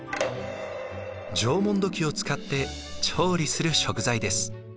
縄文土器を使って調理する食材です。